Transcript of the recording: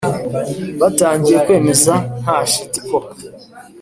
batangiye kwemeza nta shiti ko